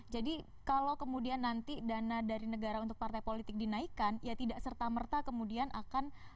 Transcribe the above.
jadi kalau kemudian nanti dana dari negara untuk partai politik dinaikkan ya tidak serta merta kemudian akan